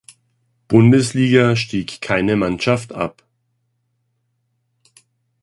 Bundesliga stieg keine Mannschaft ab.